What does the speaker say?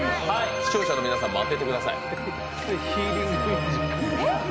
視聴者の皆さんも当ててください。